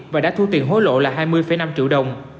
và đã thu tiền hối lộ là hai mươi năm triệu đồng